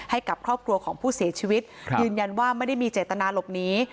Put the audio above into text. ให้กับครอบครัวของผู้เสียชีวิตยืนยันว่าไม่ได้มีเจตนาหลบหนี